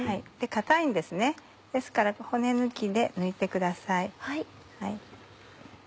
硬いんですねですから骨抜きで抜いてください。